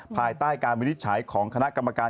ภายใต้การวินิจฉัยของคณะกรรมการ